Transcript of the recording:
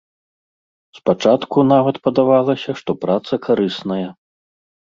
Спачатку нават падавалася, што праца карысная.